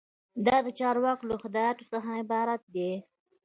دا د چارواکو له هدایاتو څخه عبارت دی.